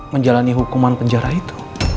menjalani hukuman penjara itu